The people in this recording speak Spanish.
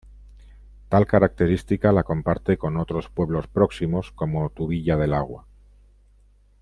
Tal característica la comparte con otros pueblos próximos como Tubilla del Agua.